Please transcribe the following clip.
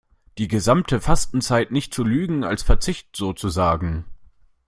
Die gesamte Fastenzeit nicht zu lügen, als Verzicht sozusagen.